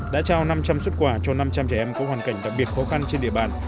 đã trao năm trăm linh xuất quà cho năm trăm linh trẻ em có hoàn cảnh đặc biệt khó khăn trên địa bàn